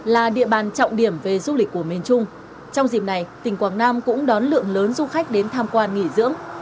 là địa bàn trọng điểm về du lịch của miền trung trong dịp này tỉnh quảng nam cũng đón lượng lớn du khách đến tham quan nghỉ dưỡng